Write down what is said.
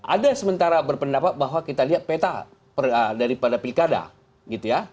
ada sementara berpendapat bahwa kita lihat peta daripada pilkada gitu ya